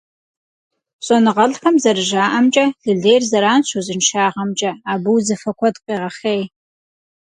ЩӀэныгъэлӀхэм зэрыжаӀэмкӀэ, лы лейр зэранщ узыншагъэмкӀэ, абы узыфэ куэд къегъэхъей.